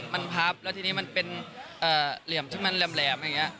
มันพับแล้วทีนี้มันเป็นเหลี่ยมที่มันแหลมอย่างนี้